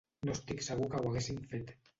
No estic segur que ho haguessin fet.